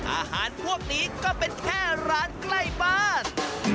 อาหารพวกนี้ก็เป็นแค่ร้านใกล้บ้าน